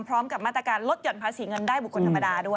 พร้อมกับมาตรการลดหย่อนภาษีเงินได้บุคคลธรรมดาด้วย